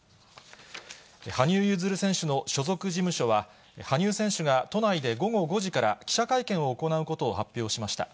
羽生結弦選手の所属事務所は、羽生選手が都内で午後５時から記者会見を行うことを発表しました。